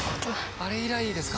あれ以来ですか？